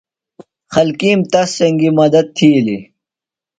خلکیم تس سنگیۡ مدت تِھیلیۡ۔